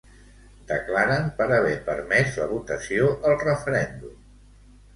Declaren per haver permès la votació al referèndum.